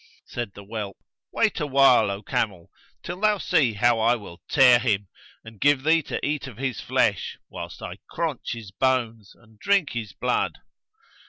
Said the whelp, 'Wait awhile, O camel, till thou see how I will tear him, and give thee to eat of his flesh, whilst I craunch his bones and drink his blood.'